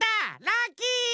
ラッキー！